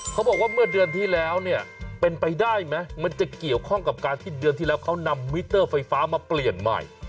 เขาบอกว่าเมื่อเดือนที่แล้วเนี่ยเป็นไปได้ไหมมันจะเกี่ยวข้องกับการที่เดือนที่แล้วเขานำมิเตอร์ไฟฟ้ามาเปลี่ยนใหม่